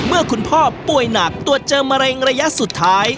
เมื่อคุณพ่อป่วยหนักตรวจเจอมะเร็งระยะสุดท้าย